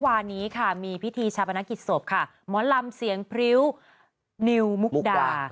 วันนี้ค่ะมีพิธีชาปนกิจศพค่ะหมอลำเสียงพริ้วนิวมุกดา